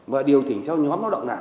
và điều chỉnh cho nhóm đó động nào